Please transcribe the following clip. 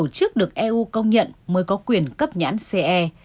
các tổ chức được eu công nhận mới có quyền cấp nhãn ce